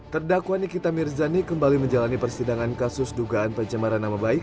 terdakwa nikita mirzani kembali menjalani persidangan kasus dugaan pencemaran nama baik